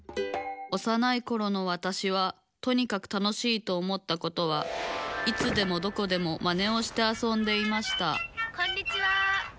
おさないころのわたしはとにかく楽しいと思ったことはいつでもどこでもマネをしてあそんでいましたこんにちは。